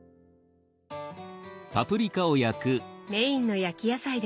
メインの焼き野菜ですね。